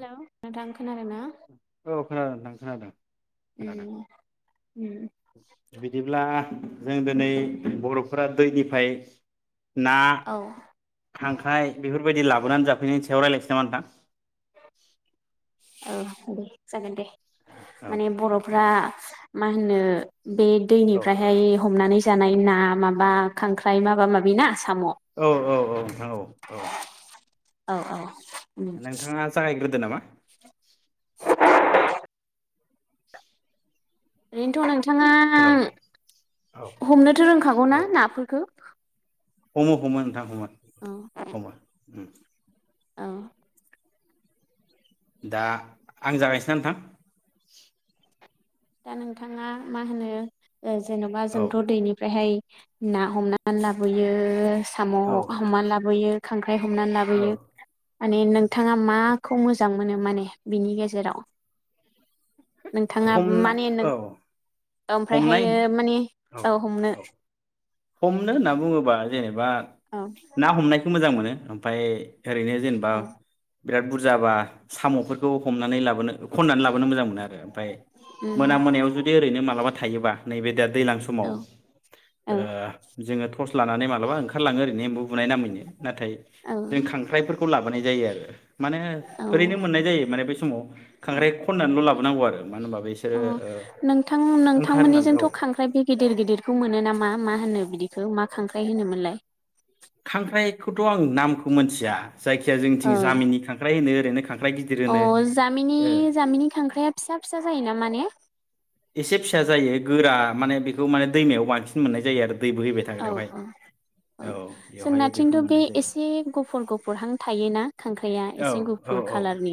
हेल' नोंथां खोनादों ना? औ खोनादों नोथां खोनादों खोनादों उम उम बिदिब्ला जों दिनै बर'फोरा दैनिफाय ना औ खांख्राइ बेफोर बादि लाबोनानै जाफैनायनि सायाव रायलायनोसै नामा नोंथां? औ दे जागोन दे। माने बर'फ्रा मा होनो बे नोंथां औ दैनिफ्रायहाय हमनानै जानाय नाय ना माबा खांख्राय माबा माबि ना साम' औ औ औ नोंथां औ। औ औ। उम नोंथांङा जागायग्रोदो नामा? [inaudible] बेनथ नों थांङा हेल' नोंथां औ हमनोथ रोंखागौनाा औ नाफोरखौ? हमो हमो नोंथां होमो। औ हमो उम। औ। दा आं जागायसैना नोंथां? दा नोंथाङा मा होनो ओ जेनोबा औ जोंथ दैनिफ्रायहाय ना हमनानै लाबोयो साम' औ हमना लाबोयो। खांख्राय हमनान औ लाबोयो। माने नोंथाङा माखौ मोजां मोनो माने बिनि गेजेराव नोंथांङा औ। हमनाय ओमफ्रायहायो माने औ हमनो। हमनो होनना बुङोबा जेनेबा एबा औ ना हमनाय मोजां मोनो ओमफाय ओरैनो जेनेबा। औ बिराद बुरजाबा साम'फोरखौ हमनानै लाबोनो खननानै लाबोनो मोजां मोनो आरो ओमफाय उम मोना मोनायाव जुदि ओरैनो मालाबा थायोबा नैबे दा दैयलां औ समाव। औ ओ जोङो' लानानै मालाबा ओंखारलाङो ओरैनो एमबु बुनाय नामायनो। नाथाय जों औ खांख्राइफोरखौ लाबो माने जायो आरो। माने औ ओरैनो मोननाय जायो माने बै समाव खांख्राइ खननानैल' लाबो नांगौ आरो। मानो होनबा बिसोरो अ नोंथां ओंखारो नालाय नोंथांमोननिजोंथ' औ खांख्राइ बे गिदिर गिदिरखौ मोनो नामा। मा होनो बिदिखौ मा खांख्राइ होनोमोनलाय। खांख्राइखौथ' आं नामखौ मोनथिया। जायखि जाया ओ जोंनिथिं जामिननि खांख्राइ होनो। [unintelligible] अ होनो जामिनि ओ जामिनि खांख्राया फिसा फिसा जायोना माने एसे फिसा जायो गोरा माने बेखौ माने दैमायाव बांसिन मोननाय जायो आरो। दै बोहैबाय औ थाग्रायावहाय औ औ बेवहाय बेखौ जोंनाथिंथ' बे मोननाय जायो एसे गुफुर गुफुरहां थायोना खांख्राइआ औ एसे औ गुफुर औ खाालारनि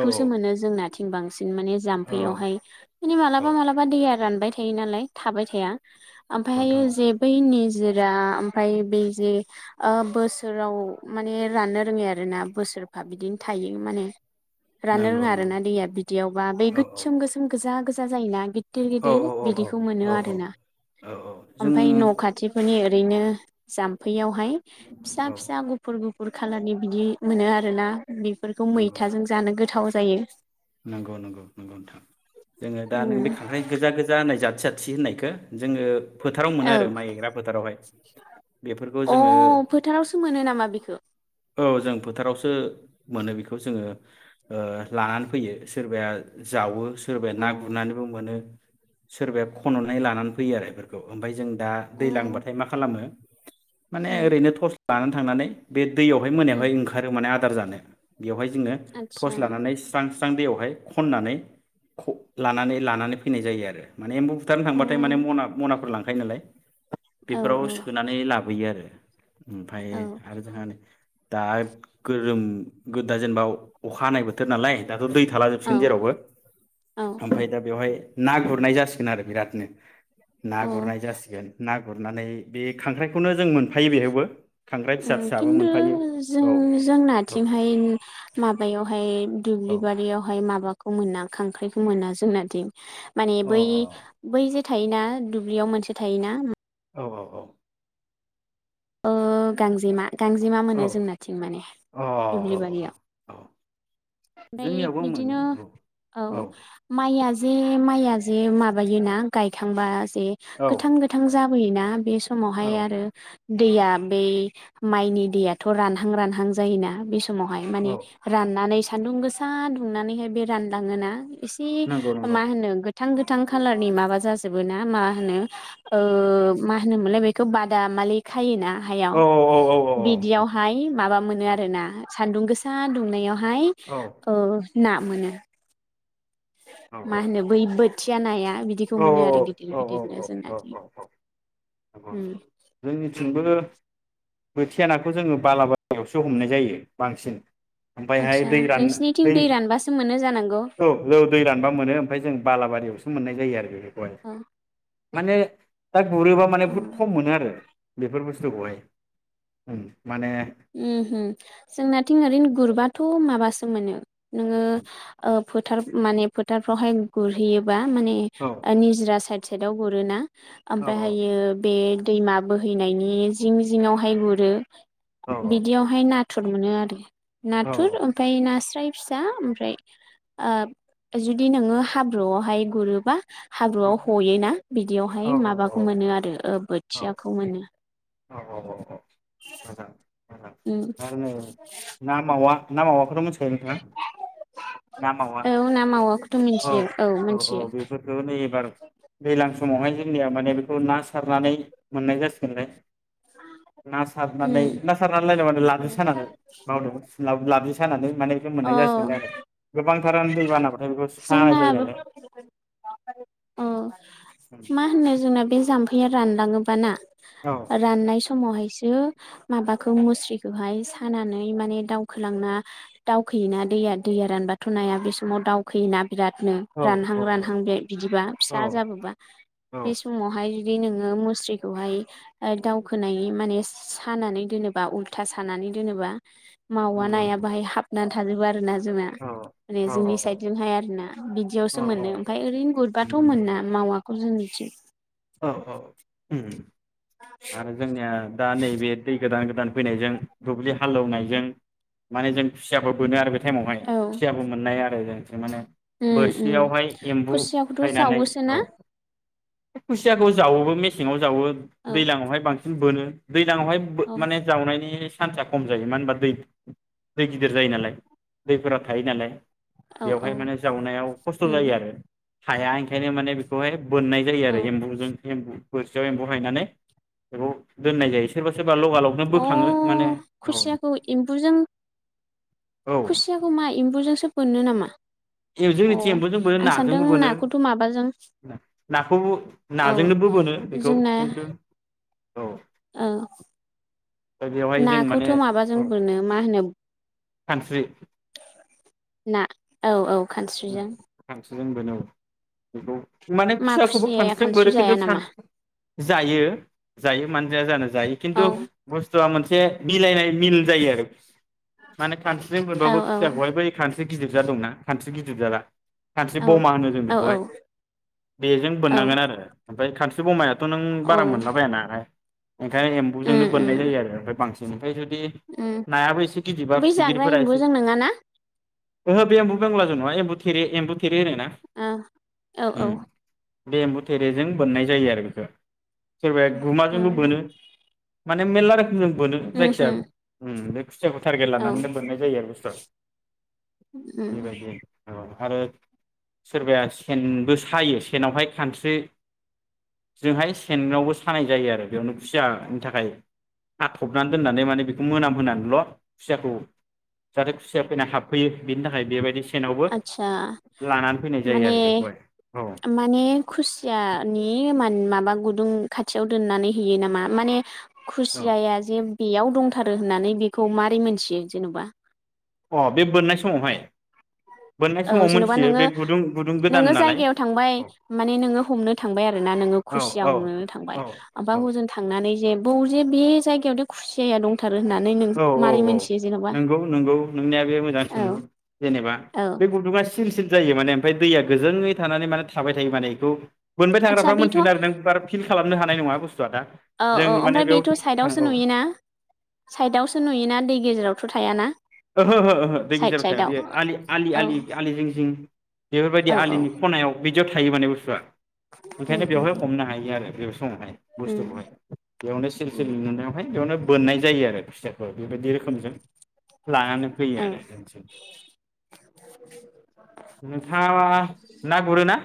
औ मोनो जोंनाथिं बांसिन। माने औ जाम्फै आवहाय औ मालाबा मालाबा दैया रानबाय थायो नालाय थाबाय थाया। ओमफायहायो नोंथां औ जे निजोरा ओमफाय बे जे ओ बोसोराव माने राननो रोङो आरोना बोसोरफा बिदिनो थायो माने राननो नंगौ रोङा नंगौ आरोना दैया बिदियावबा बै औ औ गोसोम गोसोम गोजा गोजा जायोना गिदिर औ गिदिर औ औ बिदिखौ मोनो औ औ आरोना जों ओमफाय न' दिफोरनि ओरैनो जाम्फै बेयावहाय फिसा औ फिसा गुफुर गु गुर खालारनि बिदि मोनो आरो ना। बेफोरखौ नंगौ मैथाजों जानो गोथाव। जायो। नंगौ नंगौ नंगौ नोंथां जोङो दा नों बे खांख्राइ गोजा गोजा होननाय [unintelligible] थि होननायखो जोङो फोथाराव मोनो आरो औ माइ गायग्रा फोथारावहाय बेफोरखौ अ जोङो फोथारावसो मोनो नामा बेखौ औ जों फोथारावसो मोनो बेखौ जोङो ओ लानानै फैयो सोरबाया जावो सोरबाया अ ना गुरनानैबो मोनो। सोरबाया खन'नानै लानानै फैयो आरो इफोरखौ ओमफाय जों दा अ दै उम लांबाथाय मा खालामो माने ओरैनो थस लानानै थांनानै बे दैयावहाय उम मोनायावहाय ओंखारो माने आ दार जानो बेवहाय जोङो टर्स आदसा लानानै स्रां दैयावहाय खननानै खौ लानानै लानानै फैनाय जायो आरो माने एम्बु हुथारनो अ थांबाथाय माने मना मनाफोर लाङो । खाय नालाय औ बेफोराव सोनानै लाबोयो आरो ओमफाय औ आरो जोंहा नै दा गोरोम गोदा जेनेबाव अखा हानाय बोथोर नालाय दाथ' दै थाला औ जोबसिगोन जेरावबो औ ओमफाय दा बेवहाय ना गुरनाय जासिगोन आरो बिरादनो ना अ गुरनाय जासिगोन ना गुरनानै बे खांख्राइखौनो जों मोनफायो बेयावबो उम किन्थु जों औ जोंनाथिंहाय माबायावहाय औ दुब्लि बारियावहाय माबाखौ मोना खांख्राइखौ मोना जोंनादि माने अ बै बै जे थायोना दुब्लियाव मोनसे थायोना ओम औ औ औ ओ गांजेमा गांजेमा मोनो जोंनाथिं माने अ औ दुब्लि औ बारियाव। औ ओमफाय जोंनियावबो मोनो बिदिनो औ औ माइया जे माइया जे माबायोना गायखांबा औ गोथां गोथां जाब फोयो ना बे स औ समावहाय आरो दैया बे माइनि दैयाथ' रानहां रानहां जायोना बे समाव समावहाय माने औ राननानै सान्दुं गोसा दुंनानैहाय बे रानलाङोना एसे नंगौ नंगौ मा होनो गोथां गोथां खालारनि माबा जाजोबो ना मा होनो मा होनोमोनलाय बेखौ बादामालि खायोना औ गाहायाव औ औ औ बिदियावहाय माबा मोनो आरोना सान्दुं गोसा दुंनायावहाय औ ओ ना मोनो औ मा होनो बै बोथिया नाया बिदिखौ मोनो आरो गिदिर औ गिद दिनो औ जोंना नंगौ दि नंगौ। ओम जोंनिथिंबो बोथिया नाखौ जोङो बालाबारियावसो हमनाय जायो बांसिन ओमफ्रायहाय आदसा दै रान नोंसिनिथिं दै रानबासो मोनो जानांगौ औ औ दै रानबा मोनो ओमफ्राय जों बालाबारियाव मोननाय जायो आरो अ [inaudible] माने दा गुरोबा माने अ बुहुद खम मोनो आरो बेफोर बुस्थुखौहाय ओम माने ओमहो जोंनाथिं ओरैनो गुरबाथ' माबासो मोनो नोङो ओ फोथार माने फोथारफ्रावहाय गुरहैयो हैबा माने औ ओ निजिरा साइड [inaudible] आव गुरोना औ ओमफ्रायहायो बे दैमा बोहैनायनि जिं जिङावहाय गुरो औ बिदियावहाय ना थुर मोनो आरो औ नाथुर ओमफ्राय नास्राय फिसा ओमफ्राय ओ जुदि नोङो हाब्रुआवहाय गुरोबा औ हाब्रुआव हयोना बिद दियाव हाय औ माबाखौ मोनो आरो ओ बोथ थियाखौ मोनो औ औ मोजां मोजां उम आरो ना मावा ना मावाखौथ मोनथिखायो नोंथाङा ना मावा औ ना मावाखौ औ औ औ बेफोरखौ नै एबार दैलां समावहाय जोंनिया माने बेखौ ना सारनानै मोननाय जास सिगोनलाय ना सारनानै उम ना सारनानै लायनो माने लाबजि सानानै बावदों ला-लाबजि सानानै माने बे औ मोननाय जासिगोनलाय आरो गोबांथारानो दै बानाबाथाय बेखौस जोंना औ मा होनो जोंना बेस जाम्फैया रानलाङोबा ना औ राननाय स समावहायसो माबाखौ मुस्रिखौहाय सानानै माने दावखोलांना दावखोयोना दैया दैया रानबाथ' नाया बे समाव दावखोयोना। बिरादनो औ रानहां औ रानहां बे बिदिबा औ फिसा जाबोबा बे औ समावहाय जुदि नोङो मु स्रिखौहाय दावखोनाय माने सानानै दोनोबा उल्था सानानै दोनोबा। मावा नंगौ नाया बाहाय हाब नानै थाजोबो आरो ना। जोंहा औ ओरै औ जोंनि साइडजोंहाय आरोना औ बिदियावसो नंगौ मोनो ओमफाय ओरैनो गुरबाथ' नंगौ मोना मावाख ख जोंनिथिं औ औ उम उम। आरो जोंनिया दा नैबे दै गोदान गोदान फैनायजों दुब्लि हालेवनायजों माने जों खुसियाखौ बोनो आरो बे टाइमावहाय औ खुसियाबो मोननाया [unintelligible] माने। उम उम बोरसियावहाय एम्बु खुसियाखौथ' सायनानै जावोसोना। औ खुसियाखौ जावोबो मेसेङाव जावो। औ दैलाङाव हाय बांसिन बोनो। दैलाङाव हाय बो औ माने जावनायनिस सान्सा खम जायो मानो होनबा दै दै गिदिर जायो नालाय दैफोरा थायो नालाय। औ औ बेवहाय माने जावनायाव खस्थ' जायो उम आरो हाया ओंखायनो माने बेखौहाय बोननाय आरो औ एम्बुजों एम्बु बोरसियाव एम्फौ हायनानै बेखौ दोननाय जायो सोरबा सोर अ खुसियाखौ एम्बुजों औ खुसियाखौ मा एम्बुजोंसो बोनो नामा? एव अ जोंनिथि एम्बुजों बोनो आं सानदों नाजोंबो बोनो। नाखौथ' माबाजों नाखौबो। औ नाजोंनो बोबोनो बेखौ जोंना खिन्थु औ औ दा बेवहाय जों माने नाखौथ' माबाजों औ बोनो मा होनो? खानस्रि। ना औ औ। खानस्रिजों स्रिजों बेनो औ बेखौ माने खुसियाखौबो माखुसिया खानस्रिजों खानस्रि बोनो जाया खिन्थु नामा सानस्रि जायो जायो मानोजाया जानो जायो औ खिन्थु बुस्थुआ मोनसे मिलायनाय मिल जायो आरो माने खानस्रिजों औ बोनबाबो औ खुसियाखौहाय बै खानस्रि थै गिदिर जाद दंना खानस बै गिदिर जादा खानस्रि औ बमा होनो जों औ बेखौहाय बेजों औ बोननांगोन आरो ओमफ्राय खानस्रि बमाया थ' नों औ बारा मोनलाबायानालाय ओंखायनो उम एम्बुजोंनो बोननाय उम जायो आरो ओमफ्राय बांसिन फाय जुदि उम नायाबो एसे गिदिबा बै जाग्रा फिथिगिरिफोरा एसे एम्बुजों नङाना ओहो बे एम्बु बंग्लाजों नङा बाय एम्बु थेरे एम्बु थेर थे होनो ना औ औ ओ औ बे एम्बुथेरेजों बोननाय जायो आरो बेखौ सोरबाया गुमाजोंबो बोनो माने मेलला रोखोमजों बोनो जायखिजा उमहो ओं बे खुसियाखौ टारगेट औ लानानैनो बोननाय जायो आरो बुस्थुया उम बेबायदियै आरो सोरबाया सेनबो सायो सेनावहाय खानस्रिजोंहाय सेनावबो सानाय जायो आरो बेयावनो खुसियानि थाखाय खाथ'बनानै दोननानै माने बेखौ मोनामहोनानैल' खुसियाखौ जाहाथे खुसिया फैना हाबफैयो बेनि थाखाय बेबायदि से आदसा माने आरो बेखौहाय औ माने खुसियानि मान माबा गुदुं खाथियाव दोननानै हैयो नामा माने औ खुसिया या जे बेयाव दंथारो होननानै बेखौ मारै मोनथियो जेन'बा अ बे बोननाय समावहाय बोननाय औ समाव जेन'बा मोनथियो नोङो बे गुदुं गुदुं गोदान नोङो नालाय जायगायाव थांबाय अ माने नोङो हमनो थांबाय आरोना नोङो औ खुसिया हमनो थांबाय औ ओमफ्राय हजों थांनानै जे बाव जे बे जायगायाव दे खुसिया या दंथा औ औ औ नंगौ नंगौ नोंनिया बे मोजां सोंलु औ जेनेबा औ बे गुुदुंआ सिल सिल जायो माने ओमफ्राय दैया गोजोङै थानानै माने थाबाय थायो माने एखौ बोनबाय आदसा थाग्राफ्रा बेथ' मिन्थिगोन आरो नों बारा फिल खालाम होनो हानाय नङा बुथु औ औ ओमफ्राय बेथ' साइदआवसो औ नुयोना साइडआवसो नुयोना दै गेजेरावथ' थायाना ओहो ओहो ओहो दै साइद गेजेराव थाया साइदाव बेयो औ आलि आलि औ आलि आलि जिं जिं बेफोरबायदि औ औ आलिनि खनायाव बिदियाव थायो माने बुथुआ ओंखायनो बेवहाय हमनो हायो आरो बे बुसथु वेवहाय बुस्थुखौहाय बेयावनो सिरि सिरि नुनायावहाय बेयावनो बोननाय जायो आरो खुसियाखौ बेबायदि रोखोमजों लानानै फैयो औ आरो नोंथाङा ना गुरोना?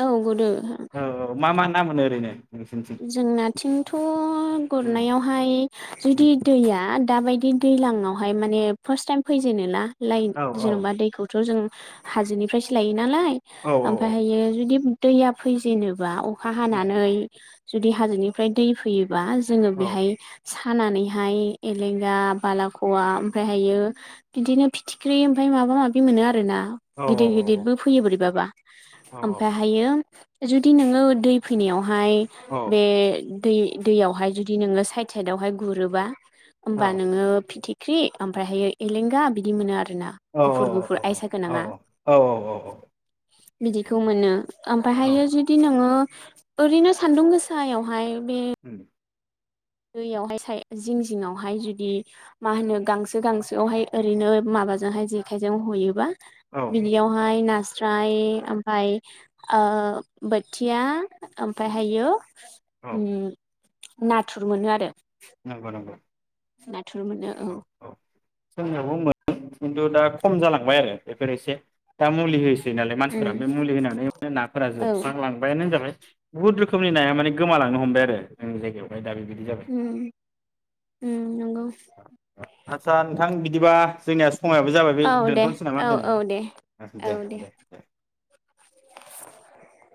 औ गुदु औ औ मा मा- ना मोनो ओरैनो नोंसोरनिथिं जों ना थिंथ' उम गुरनायावहाय जुदि उम दैया दाबायदि दि दैलांआवहाय माने फार्स्ट टाइम फैजेनो ना लाइन औ औ जेन'बा दैखौथ' जों हाजोनिफ्रायसो लायो नालाय औ ओमफ्राय औ हायो जुदि दैया फैजेेनोबा अखा उम हानानै जुदि हाजोनिफ्राय दै फैयो बा जोङो औ बेहाय हानानैहाय एलेंगा बालाख'वा ओमफ्रायहायो बिदिनो फिथिख्रि ओमफ्राय माबा माबि मोनो आरो ना औ गिदिर औ औ गिदिरबो फैयो बोरैबाबा औ ओमफ्राय हायो जुदि नोङो दै फैनायावहाय औ बे दै दैयावहाय जुदि नोङो साइद साइदआवहाय गुरोबा औ होमबा नोङो फिथि ख्रि ओमफ्राय हाययो एलेंगा बिदि मोनो आरोख आरोना औ गुफुर औ गुफुर आयसा गोनाङा बिदिखौ मोनो ओमफ्राय हायो जुदि नोङो ओरैनो सानदुं गोसा सायावहाय उम दैयावहाय जिं जिङावहाय जुदि मा होनो गांसो गांसोआवहाय ओरैनो माबाजोंहाय जेखाइजों हयोबा औ बिनियावहाय ना फ्राइ ओमफ्राय बोथिया ओमफ्राय हायो औ उम ना थुर मोनो आरो नंगौ नंगौ। [unintelligible] नाथुर मोनो आरो जोंनावबो मोनो खिन्थु दा खम जालांबाय आरो बेफोर एसे दा मुलि हो नालाय उम मानसिफोरा बे मुलि होनानै नाफोरा औ जोबस्रांलांबायानो होनजाबाय बुहुत रोखोमनि नाया माने गोमालांनो हमबाय आरो जोंनि जायगायावहाय दा बेबायदि जाबाय ओम नंगौ। आतसा नोंथां बिदिबा जोंनिया समायाबो जाबाय औ बे दे दोनथसै नामा औ दिनै? औ दे दे दे